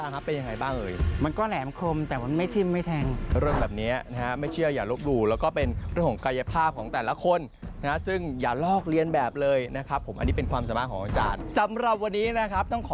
เกี่ยวมีดโกนเมื่อกี้เป็นยังไงบ้าง